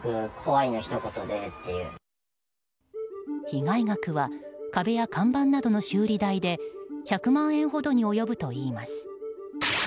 被害額は壁や看板などの修理代で１００万円ほどに及ぶといいます。